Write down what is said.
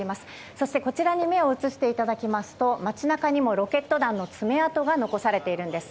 そしてこちらに目を移していただきますと街中にもロケット弾の爪痕が残されているんです。